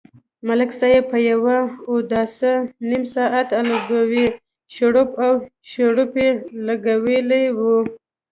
ملک صاحب په یوه اوداسه نیم ساعت لگوي، شړپ او شړوپ یې لگولی وي.